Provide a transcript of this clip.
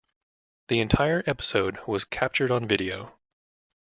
The entire episode was captured on video.